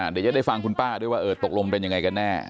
เดี๋ยวจะได้ฟังคุณป้าด้วยว่าเออตกลงเป็นยังไงกันแน่